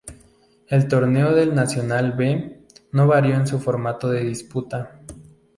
El torneo del Nacional B no varió en su formato de disputa.